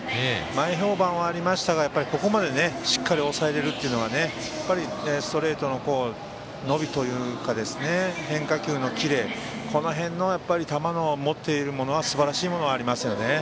前評判はありましたがここまでしっかり抑えられるというのはストレートの伸びというか変化球のキレこの辺の持っている球はすばらしいものがありますよね。